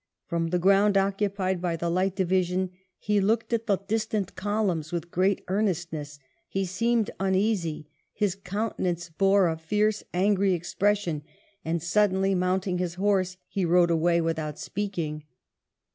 From the ground occupied by the Light Division he " looked at the distant columns with great earnestness : he seemed uneasy, his countenance bore a fierce, angry expression; and suddenly mounting his horse, he rode away without speaking.